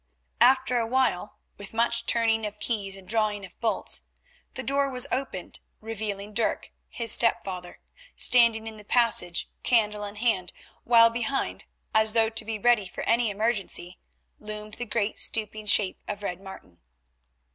After a while, with much turning of keys and drawing of bolts, the door was opened, revealing Dirk, his stepfather, standing in the passage, candle in hand, while behind, as though to be ready for any emergency, loomed the great stooping shape of Red Martin.